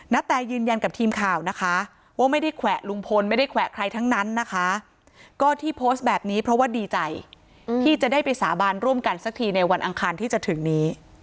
แตยืนยันกับทีมข่าวนะคะว่าไม่ได้แขวะลุงพลไม่ได้แขวะใครทั้งนั้นนะคะก็ที่โพสต์แบบนี้เพราะว่าดีใจที่จะได้ไปสาบานร่วมกันสักทีในวันอังคารที่จะถึงนี้